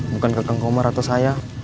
bukan ke kang komar atau saya